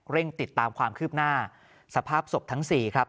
ติดตามความคืบหน้าสภาพศพทั้งสี่ครับ